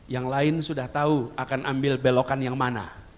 yang lain sudah tahu akan ambil belokan yang mana